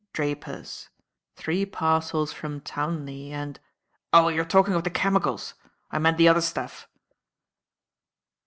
Drapers Three parcels from Townley and " "Oh, you're talking of the chemicals. I meant the other stuff."